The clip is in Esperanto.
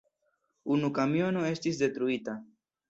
Unu kamiono estis detruita.